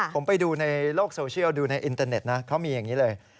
ผมไปดูในโลกโซเชียลดูในอินเตอร์เน็ตนะเขามีอย่างนี้เลย